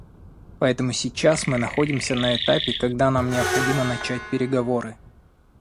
Поэтому сейчас мы находимся на этапе, когда нам необходимо начать переговоры.